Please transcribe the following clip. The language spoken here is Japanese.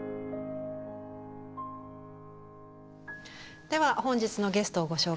では本日のゲストをご紹介しましょう。